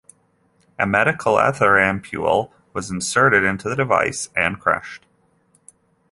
A medical ether ampule was inserted into the device and crushed.